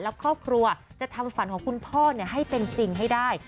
และครอบครัวจะทำฝันของคุณพ่อให้เป็นจริงให้ได้